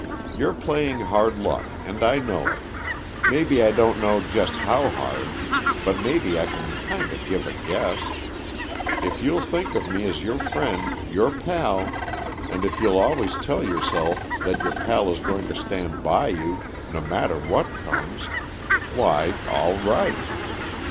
"You're playing hard luck, and I know it; maybe I don't know just how hard but maybe I can kinda give a guess. If you'll think of me as your friend your pal, and if you'll always tell yourself that your pal is going to stand by you, no matter what comes, why all right."